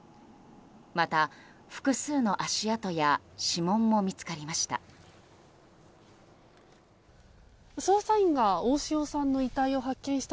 また、複数の足跡や指紋も見つかりました。